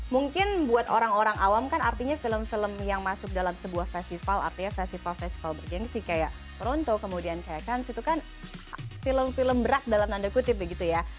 mungkin buat orang orang awam kan artinya film film yang masuk dalam sebuah festival artinya festival festival bergensi kayak ronto kemudian kayak kans itu kan film film berat dalam tanda kutip begitu ya